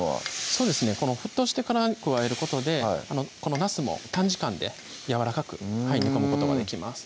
そうですねこの沸騰してから加えることでこのなすも短時間でやわらかく煮込むことができます